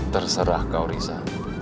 terserah kau risa